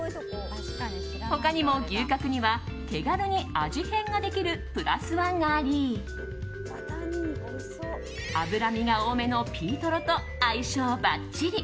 他にも牛角には手軽に味変ができるプラスワンがあり脂身が多めのピートロと相性ばっちり。